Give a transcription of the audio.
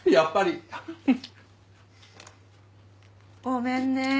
ごめんね。